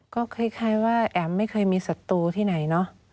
ก็คล้ายว่าแอมไม่เคยมีสัตว์ตัวที่ไหน